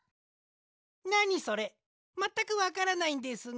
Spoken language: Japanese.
なにそれまったくわからないんですが。